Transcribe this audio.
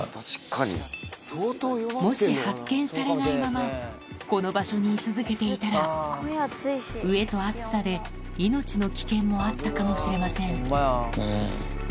もし発見されないままこの場所に居続けていたら飢えと暑さで命の危険もあったかもしれませんうん。